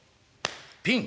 ピン。